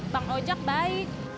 bang ojak baik